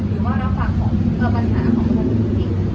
หรือว่ารับฟังของปัญหาของประชาชนจริง